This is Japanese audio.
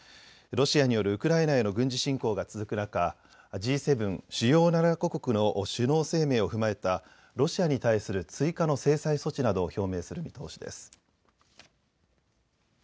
ロシアによるウクライナへの軍事侵攻が続く中、Ｇ７・主要７か国の首脳声明を踏まえたロシアに対する追加の制裁措置などを表明する見通しです。